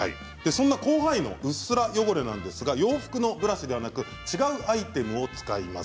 広範囲のうっすら汚れですが洋服のブラシではなく違うアイテムを使います。